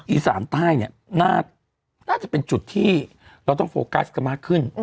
อีสานใต้เนี่ยน่าจะเป็นจุดที่เราต้องโฟกัสกันมากขึ้น